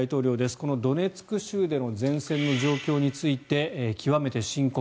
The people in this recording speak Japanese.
このドネツク州での前線の状況について極めて深刻。